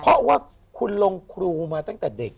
เพราะว่าคุณลงครูมาตั้งแต่เด็ก